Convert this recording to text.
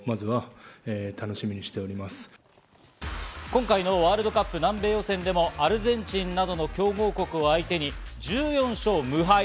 今回のワールドカップ南米予選でもアルゼンチンなどの強豪国を相手に１４勝無敗。